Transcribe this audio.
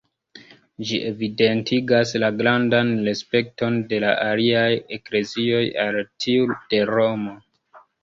Ĝi evidentigas la grandan respekton de la aliaj eklezioj al tiu de Romo.